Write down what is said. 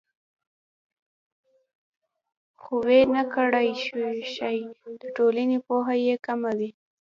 خو ویې نه کړ ښایي د ټولنې پوهه یې کمه وي